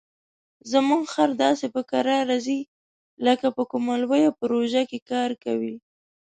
زموږ خر داسې په کراره ځي لکه په کومه لویه پروژه کار کوي.